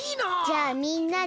じゃあみんなで。